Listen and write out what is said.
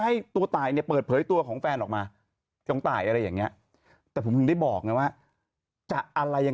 ให้ตัวตายผู้สมภัยตัวของแฟนออกมาลงต่ายอะไรอย่างนี้เราเปิดอะไรอย่าง